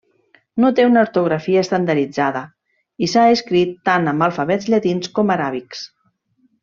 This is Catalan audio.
No té una ortografia estandarditzada, i s'ha escrit tant amb alfabets llatins com aràbics.